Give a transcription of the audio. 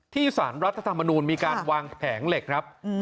สารรัฐธรรมนูลมีการวางแผงเหล็กครับ